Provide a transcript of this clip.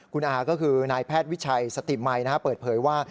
คุณอาก็คือนายแพทย์วิชัยสติมัยเปิดเผยว่า